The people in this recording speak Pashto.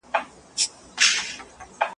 پیسې او شهرت د ژوند بنسټ نه جوړوي.